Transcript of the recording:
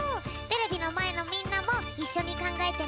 テレビのまえのみんなもいっしょにかんがえてね！